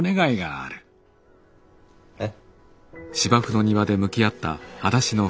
えっ？